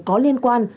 có liên quan